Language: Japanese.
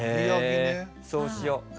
そうしよ。